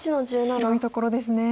広いところですね。